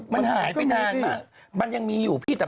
มันหายไปแล้วมันยังมีอยู่พี่